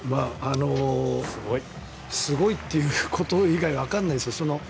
すごいということ以外わかんないです。